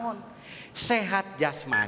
ini makanya kita punya memiliki kemampuan